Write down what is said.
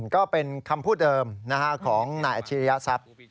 ก็เป็นคำพูดเดิมของนายอาชิริยทรัพย์